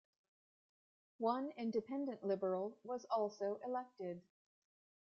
One independent Liberal was also elected.